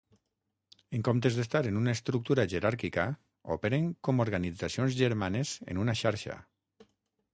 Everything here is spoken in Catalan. En comptes d'estar en una estructura jeràrquica, operen com organitzacions germanes en una xarxa.